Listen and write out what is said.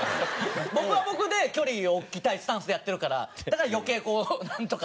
僕は僕で距離を置きたいスタンスでやってるからだから余計こうなんとか。